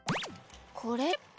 これって。